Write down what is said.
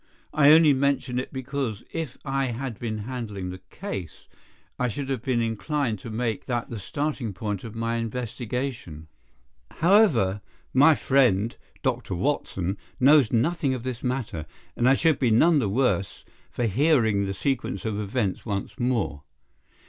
I only mention it because, if I had been handling the case, I should have been inclined to make that the starting point of my investigation. However, my friend, Dr. Watson, knows nothing of this matter, and I should be none the worse for hearing the sequence of events once more.